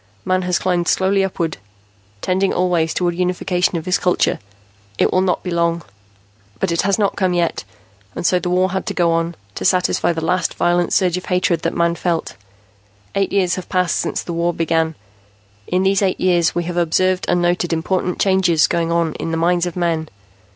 Man has climbed slowly upward, tending always toward unification of his culture. It will not be long "But it has not come yet, and so the war had to go on, to satisfy the last violent surge of hatred that Man felt. Eight years have passed since the war began. In these eight years, we have observed and noted important changes going on in the minds of men.